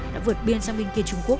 đã vượt biên sang bên kia trung quốc